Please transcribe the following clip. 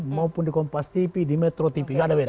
maupun di kompas tv di metro tv nggak ada beda